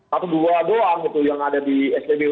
satu dua doang gitu yang ada di spbu